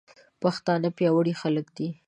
پښتانه پياوړي خلک دي.